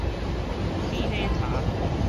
起火柴